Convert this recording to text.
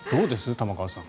玉川さん。